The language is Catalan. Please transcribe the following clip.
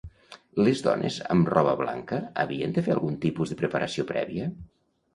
Les dones amb roba blanca havien de fer algun tipus de preparació prèvia?